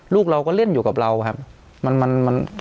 ลูกเราก็เล่นอยู่กับเราครับมันมันมัน